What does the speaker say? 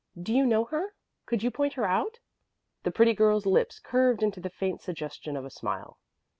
Do you know her? Could you point her out?" The pretty girl's lips curved into the faint suggestion of a smile.